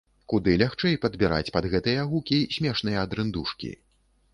Куды лягчэй падбіраць пад гэтыя гукі смешныя дрындушкі.